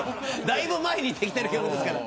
だいぶ前にできてる曲ですから。